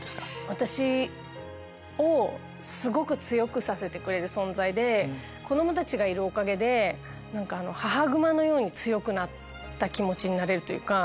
私をすごく強くさせてくれる存在で子供たちがいるおかげで母熊のように強くなった気持ちになれるというか。